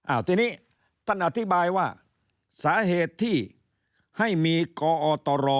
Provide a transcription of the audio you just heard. ทีนี้ท่านอธิบายว่าสาเหตุที่ให้มีกอตร